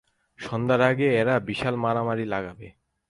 সন্ধ্যার আগেই এরা বিশাল মারামারি লাগাবে।